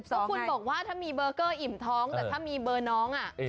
ก็คุณบอกว่าถ้ามีเบอร์เกอร์อิ่มท้องแต่ถ้ามีเบอร์น้อง